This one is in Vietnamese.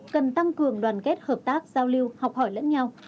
cần tăng cường đoàn kết hợp tác giao lưu học hỏi lẫn nhau